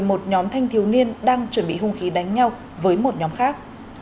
một nhóm thanh thiếu niên đang chuẩn bị hung khí đánh nhau với một nhóm khác